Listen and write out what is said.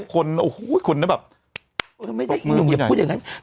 คนโอ้โหคุณเนี้ยแบบไม่ได้อย่าพูดอย่างงั้น